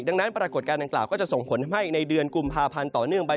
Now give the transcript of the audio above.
ดังนั้นปรากฏการณ์ดังกล่าวก็จะส่งผลให้ในเดือนกุมภาพันธ์ต่อเนื่องไป